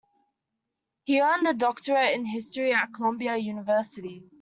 He earned a doctorate in history at Columbia University.